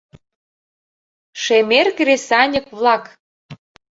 Шемер кресаньык-влак!